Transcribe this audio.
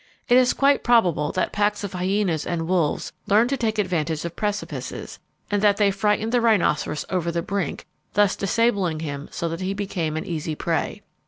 It is quite probable that packs of hyenas and wolves learned to take advantage of precipices, and that they frightened the rhinoceros over the brink, thus disabling him so that he became an easy prey.